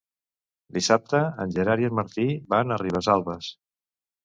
Dissabte en Gerard i en Martí van a Ribesalbes.